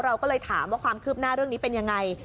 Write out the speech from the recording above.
เราก็เลยถามว่าความคืบหน้าเรื่องนี้เป็นยังไง